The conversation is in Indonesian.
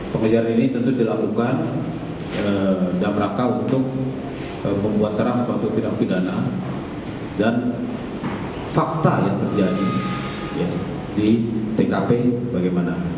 pengejaran ini tentu dilakukan dalam rangka untuk membuat terang sebagai tindak pidana dan fakta yang terjadi di tkp bagaimana